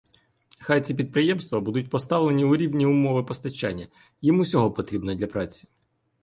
Хай ці підприємства будуть поставлені в рівні умови постачання їм усього потрібного для праці.